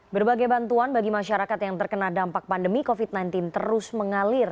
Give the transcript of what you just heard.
berbagai bantuan bagi masyarakat yang terkena dampak pandemi covid sembilan belas terus mengalir